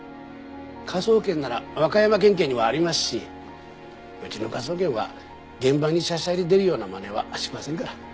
科捜研なら和歌山県警にもありますしうちの科捜研は現場にしゃしゃり出るようなまねはしませんから。